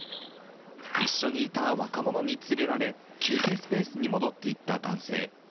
一緒にいた若者に連れられ、休憩スペースに戻っていった男性。